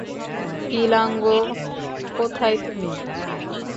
ইলাঙ্গো, কোথায় তুই?